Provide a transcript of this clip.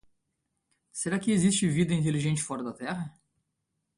Será que existe vida inteligente fora da Terra?